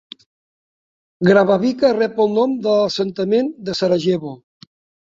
Grbavica rep el nom de l'assentament de Sarajevo.